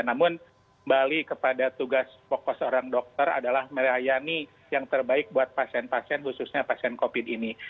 namun balik kepada tugas fokus orang dokter adalah merayani yang terbaik buat pasien pasien khususnya pasien covid ini